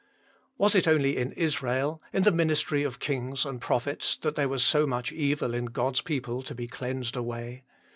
Was it only in Israel, in the ministry of kings and prophets, that there was so much evil in God s people to be cleansed away